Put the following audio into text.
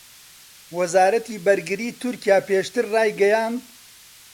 وەزارەتی بەرگریی تورکیا پێشتر ڕایگەیاند